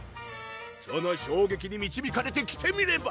その衝撃にみちびかれて来てみれば！